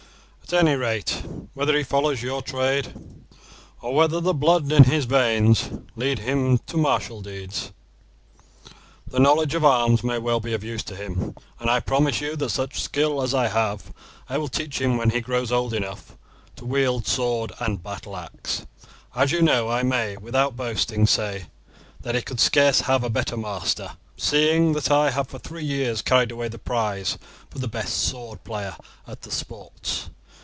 At any rate, whether he follows your trade, or whether the blood in his veins leads him to take to martial deeds, the knowledge of arms may well be of use to him, and I promise you that such skill as I have I will teach him when he grows old enough to wield sword and battle axe. As you know I may, without boasting, say that he could scarce have a better master, seeing that I have for three years carried away the prize for the best sword player at the sports.